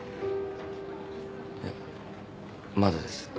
いやまだです。